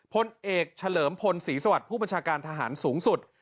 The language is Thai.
พลเอกเฉลิมพลศรีสวัสดิ์ผู้บัญชาการทหารสูงสุด